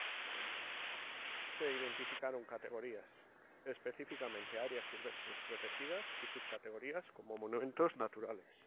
Se identificaron categorías, específicamente áreas silvestres protegidas y subcategorías como monumentos naturales.